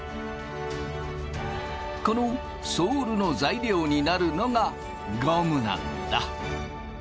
このソールの材料になるのがゴムなんだ。